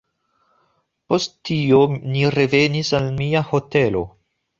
Post tio ni revenis al mia hotelo.